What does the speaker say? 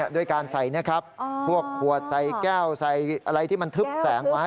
ด้วยการใส่นะครับพวกขวดใส่แก้วใส่อะไรที่มันทึบแสงไว้